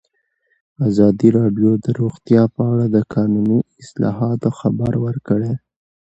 ازادي راډیو د روغتیا په اړه د قانوني اصلاحاتو خبر ورکړی.